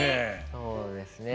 そうですね。